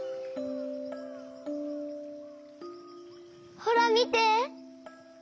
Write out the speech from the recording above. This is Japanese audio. ほらみて！